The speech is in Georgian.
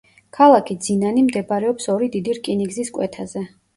ქალაქი ძინანი მდებარეობს ორი დიდი რკინიგზის კვეთაზე.